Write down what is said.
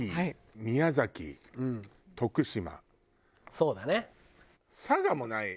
そうだね。